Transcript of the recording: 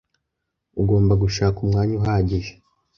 ugomba gushaka umwanya uhagije